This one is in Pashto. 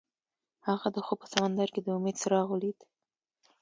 هغه د خوب په سمندر کې د امید څراغ ولید.